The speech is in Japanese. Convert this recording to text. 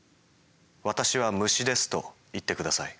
「私は虫です」と言って下さい。